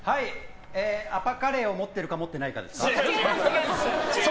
アパカレーを持ってるか持ってないかですか？